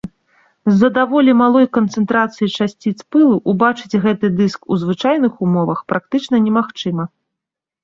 З-за даволі малой канцэнтрацыі часціц пылу убачыць гэты дыск у звычайных умовах практычна немагчыма.